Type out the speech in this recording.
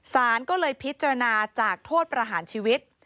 สารก็เลยพิจารณาจากโทษประหารชีวิต